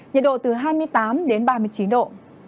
nhiệt độ từ hai mươi tám đến ba mươi chín độ